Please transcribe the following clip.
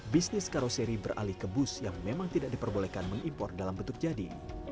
bisnis karoseri beralih ke bus yang memang tidak diperbolehkan mengimpor dalam bentuk jadi